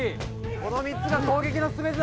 この３つが攻撃の全てだ！